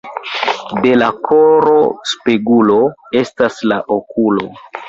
De la koro spegulo estas la okulo.